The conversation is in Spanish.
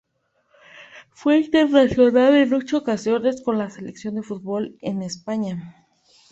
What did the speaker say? Fue internacional en ocho ocasiones con la selección de fútbol de España.